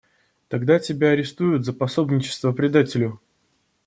Тогда тебя арестуют за пособничество предателю.